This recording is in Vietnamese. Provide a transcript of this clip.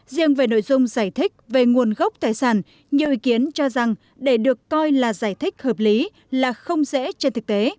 riêng về nội dung giải thích về nguồn gốc tài sản nhiều ý kiến cho rằng để được coi là giải thích hợp lý là không dễ trên thực tế